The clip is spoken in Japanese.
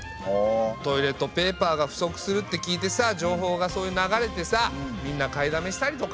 トイレットペーパーが不足するって聞いてさ情報がそういう流れてさみんな買いだめしたりとか。